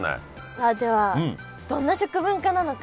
さあではどんな食文化なのか？